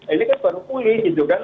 ini kan baru pulih gitu kan